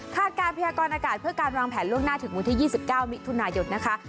คาดการณ์เพียกรอนอากาศเพื่อการวางแผนล่วงหน้าถึงวันที่ยี่สิบเก้ามิถุนายศนะคะ